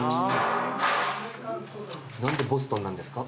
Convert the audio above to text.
何でボストンなんですか？